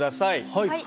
はい。